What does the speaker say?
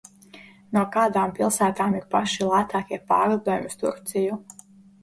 No kādām pilsētām ir paši lētākie pārlidojumi uz Turcija?